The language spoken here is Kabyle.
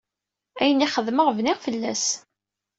Ayen i xedmeɣ, bniɣ fell-as.